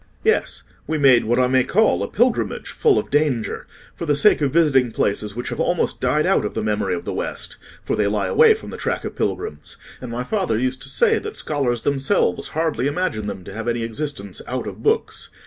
"Yes; we made what I may call a pilgrimage full of danger, for the sake of visiting places which have almost died out of the memory of the West, for they lie away from the track of pilgrims; and my father used to say that scholars themselves hardly imagine them to have any existence out of books.